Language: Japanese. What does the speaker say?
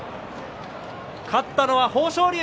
勝ったのは豊昇龍。